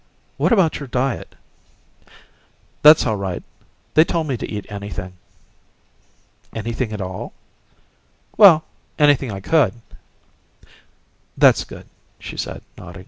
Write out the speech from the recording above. What about your diet?" "That's all right. They told me to eat anything." "Anything at all?" "Well anything I could." "That's good," she said, nodding.